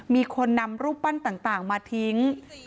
มีคนนำรูปปั้นต่างมาทิ้ง